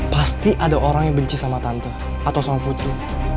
pasti ada orang yang benci sama tante atau sama putri